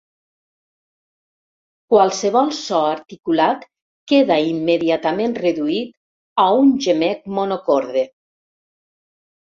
Qualsevol so articulat queda immediatament reduït a un gemec monocorde.